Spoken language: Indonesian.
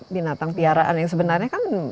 binatang piaraan yang sebenarnya kan